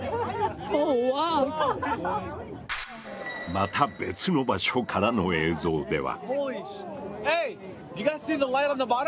また別の場所からの映像では。